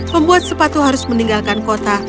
pembuat sepatu harus meninggalkan kota